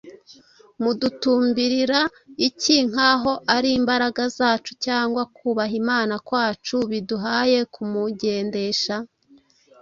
Mudutumbirira iki, nk’aho ari imbaraga zacu cyangwa kubaha Imana kwacu biduhaye kumugendesha? »